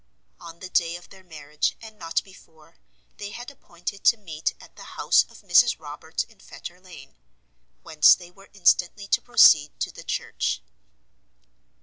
On the day of their marriage, and not before, they had appointed to meet at the house of Mrs Roberts, in Fetter Lane, whence they were instantly to proceed to the church.